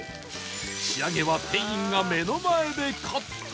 仕上げは店員が目の前でカット